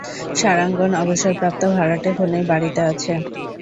সারাঙ্গন অবসরপ্রাপ্ত ভাড়াটে খুনির বাড়িতে আছে।